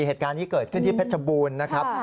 เหตุการณ์นี้เกิดขึ้นที่เพชรบูรณ์นะครับ